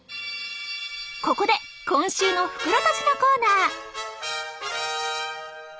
ここで「今週の袋とじ」のコーナー！